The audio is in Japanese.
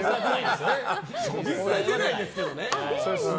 実際、出ないですけどね。